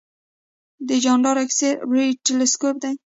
د چانډرا ایکس رې تلسکوپ دی.